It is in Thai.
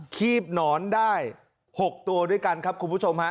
ีบหนอนได้๖ตัวด้วยกันครับคุณผู้ชมฮะ